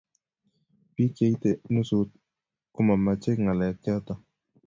bik che itei nusut ko mamachei ngalek choto